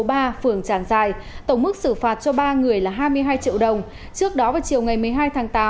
phường tràng giài tổng mức xử phạt cho ba người là hai mươi hai triệu đồng trước đó vào chiều ngày một mươi hai tháng tám